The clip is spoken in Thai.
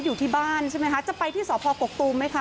อยู่ที่บ้านใช่ไหมคะจะไปที่สพกกตูมไหมคะ